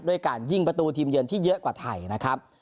การยิงประตูทีมเยือนที่เยอะกว่าไทยนะครับ